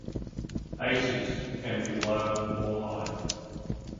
Aces can be low or high.